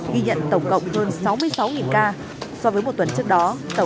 ghi nhận tổng cộng hơn sáu mươi sáu ca so với một tuần trước đó